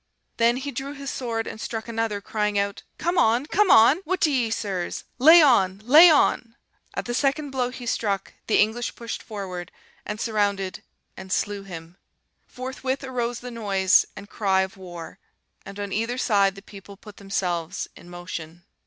Then he drew his sword, and struck another, crying out, 'Come on, come on! What do ye, sirs! lay on, lay on!' At the second blow he struck, the English pushed forward, and surrounded and slew him. Forthwith arose the noise and cry of war, and on either side the people put themselves in motion.